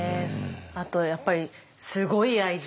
あとやっぱりすごい愛情。